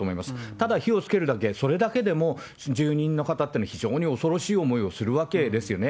ただ火をつけるだけ、それだけでも住民の方っていうのは非常に恐ろしい思いをするわけですよね。